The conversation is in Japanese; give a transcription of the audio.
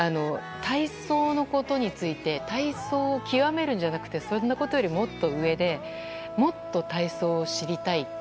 体操のことについて体操を極めるんじゃなくてそんなことよりもっと上でもっと体操を知りたい。